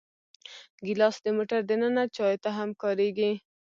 ګیلاس د موټر دننه چایو ته هم کارېږي.